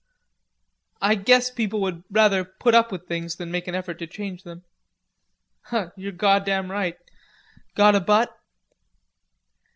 "I guess people would rather put up with things than make an effort to change them." "You're goddam right. Got a butt?"